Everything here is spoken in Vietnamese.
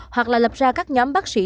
hoặc là lập ra các nhóm bác sĩ